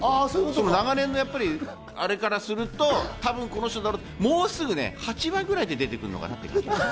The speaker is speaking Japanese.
長年のあれからすると多分この人もうすぐ８話ぐらいで出てくるかなぁ。